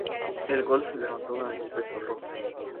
El gol se lo anotó a Expreso Rojo.